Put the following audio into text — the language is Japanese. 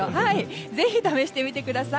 ぜひ試してみてください。